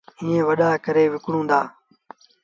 ائيٚݩ وڏآ ڪري وڪڻون دآ۔